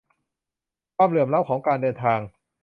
ความเหลื่อมล้ำ ของการเดินทาง